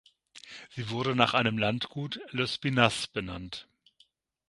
Sie wurde nach einem Landgut "Lespinasse" benannt.